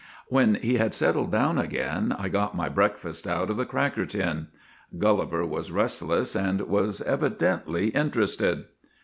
When he had settled down again I got my breakfast out of the cracker tin. Gulli ver was restless, and was evidently interested.